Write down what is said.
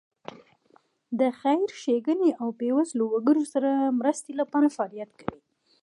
د خیر ښېګڼې او بېوزله وګړو سره مرستې لپاره فعالیت کوي.